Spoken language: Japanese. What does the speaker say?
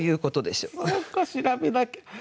そうか調べなきゃ。